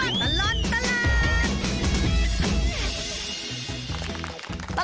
ทวรรณตลาด